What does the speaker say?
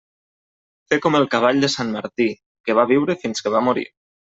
Fer com el cavall de sant Martí, que va viure fins que va morir.